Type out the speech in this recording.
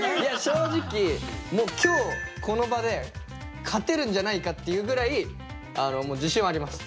正直もう今日この場で勝てるんじゃないかっていうぐらい自信はあります。